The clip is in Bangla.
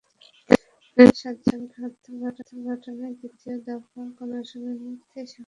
নারায়ণগঞ্জে সাতজনকে হত্যার ঘটনায় দ্বিতীয় দফায় গণশুনানিতে সাক্ষ্য দেওয়ার প্রক্রিয়া শুরু হয়েছে।